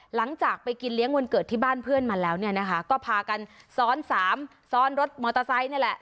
หลังจากไปกินเลี้ยงวันเกิดที่บ้านเพื่อนมาแล้วเนี่ยนะคะก็พากันซ้อนสามซ้อนรถมอเตอร์ไซค์นี่แหละ